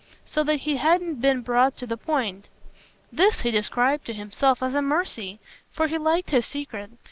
so that he hadn't been brought to the point. This he described to himself as a mercy, for he liked his secret.